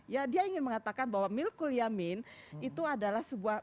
ya dia ingin mengatakan bahwa milkul yamin itu adalah sebuah